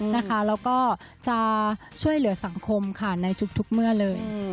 แล้วก็จะช่วยเหลือสังคมค่ะในทุกเมื่อเลย